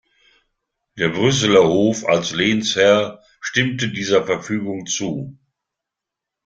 Der Brüsseler Hof als Lehnsherr stimmte dieser Verfügung zu.